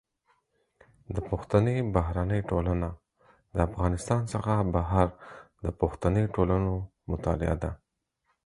د پښتني بهرنۍ ټولنه د افغانستان څخه بهر د پښتني ټولنو مطالعه ده.